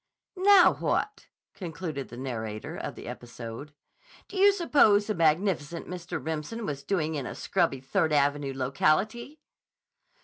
"Now, what," concluded the narrator of the episode, "do you suppose the magnificent Mr. Remsen was doing in a scrubby Third Avenue locality?"